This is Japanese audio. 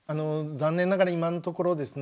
残念ながら今のところですね